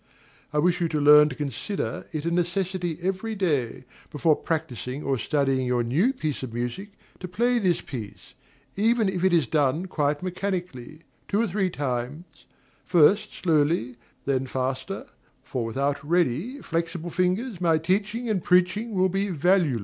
I wish you to learn to consider it a necessity every day, before practising or studying your new piece of music, to play this piece, even if it is done quite mechanically, two or three times, first slowly, then faster; for without ready, flexible fingers, my teaching and preaching will be valueless.